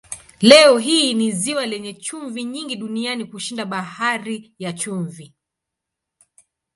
Leo hii ni ziwa lenye chumvi nyingi duniani kushinda Bahari ya Chumvi.